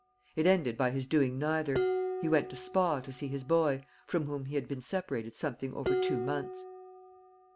It ended by his doing neither. He went to Spa to see his boy, from whom he had been separated something over two months.